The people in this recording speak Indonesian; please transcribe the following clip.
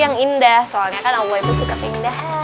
yang indah soalnya kan allah itu suka pindah